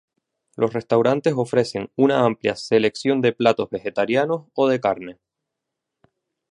Los restaurantes ofrecen una amplia selección de platos vegetarianos o de carne.